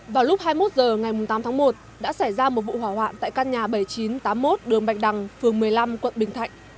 vào lúc hai mươi một h ngày tám tháng một đã xảy ra một vụ hỏa hoạn tại căn nhà bảy nghìn chín trăm tám mươi một đường bạch đằng phường một mươi năm quận bình thạnh